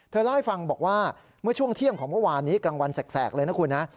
เล่าให้ฟังบอกว่าเมื่อช่วงเที่ยงของเมื่อวานนี้กลางวันแสกเลยนะคุณนะ